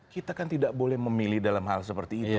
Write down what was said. kita kan tidak boleh memilih dalam hal seperti itu